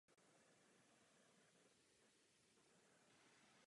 Základem mzdy je podle něj existenční minimum pracovníka.